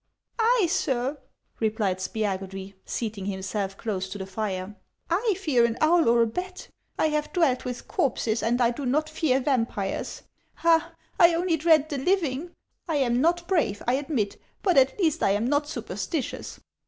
" I, sir," replied Spiagudry, seating himself close to the fire ;" I fear an owl or a bat ! I have dwelt with corpses, and I do not fear vampires. Ah, I only dread the living ! I am not brave, I admit ; but at least I am not supersti tious.